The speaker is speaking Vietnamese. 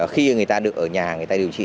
khi người ta được ở nhà người ta điều trị